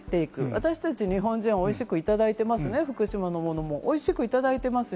私たち日本人はおいしくいただいていますね、福島のものも、おいしくいただいています。